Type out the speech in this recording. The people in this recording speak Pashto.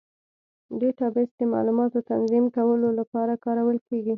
ډیټابیس د معلوماتو تنظیم کولو لپاره کارول کېږي.